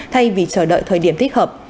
thay vì chờ đợi thời điểm thích hợp